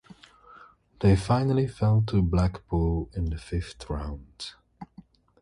They finally fell to Blackpool in the fifth round.